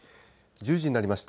１０時になりました。